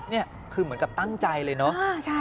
นี่คือเหมือนกับตั้งใจเลยเนาะ